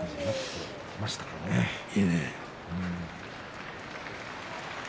いいね。